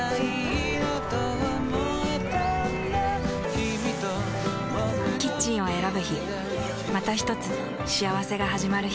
キミとボクの未来だキッチンを選ぶ日またひとつ幸せがはじまる日